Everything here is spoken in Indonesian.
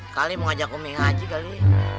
kali mau ngajak umingah aja kali